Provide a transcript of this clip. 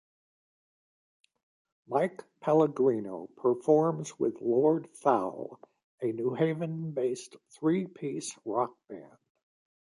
Mike Pellegrino performs with Lord Fowl, a New Haven-based three piece rock band.